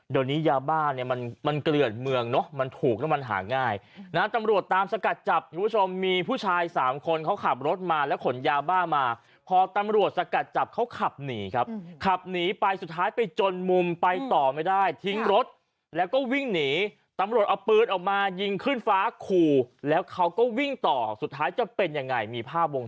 เดี๋ยวนี้ยาบ้าเนี่ยมันมันเกลื่อนเมืองเนอะมันถูกแล้วมันหาง่ายนะตำรวจตามสกัดจับคุณผู้ชมมีผู้ชายสามคนเขาขับรถมาแล้วขนยาบ้ามาพอตำรวจสกัดจับเขาขับหนีครับขับหนีไปสุดท้ายไปจนมุมไปต่อไม่ได้ทิ้งรถแล้วก็วิ่งหนีตำรวจเอาปืนออกมายิงขึ้นฟ้าขู่แล้วเขาก็วิ่งต่อสุดท้ายจะเป็นยังไงมีภาพวง